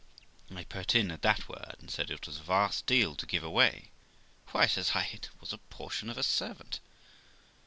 I put in at that word, and said it was a vast deal to give away. 'Why', says I, 'it was a portion for a seivant.'